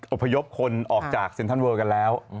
การอพยพคนออกจากเซนทรัลเวิร์สกัดแล้ว